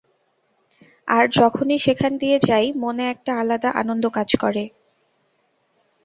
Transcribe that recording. আর যখনই সেখান দিয়ে যাই, মনে একটা আলাদা আনন্দ কাজ করে।